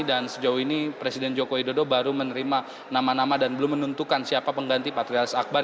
dan sejauh ini presiden joko widodo baru menerima nama nama dan belum menentukan siapa pengganti patrialis akbar